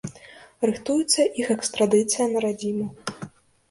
Рыхтуецца іх экстрадыцыя на радзіму.